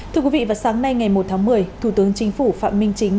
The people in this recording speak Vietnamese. thưa quý vị vào sáng nay ngày một tháng một mươi thủ tướng chính phủ phạm minh chính